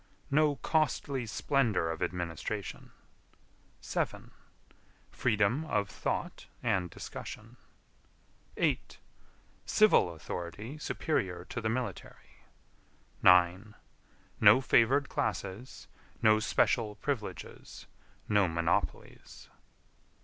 No costly splendor of administration. 7. Freedom of thought and discussion. 8. Civil authority superior to the military. 9. No favored classes; no special privileges; no monopolies.